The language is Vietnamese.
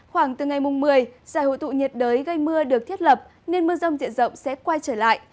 khoảng từ ngày một mươi giải hội tụ nhiệt đới gây mưa được thiết lập nên mưa rông diện rộng sẽ quay trở lại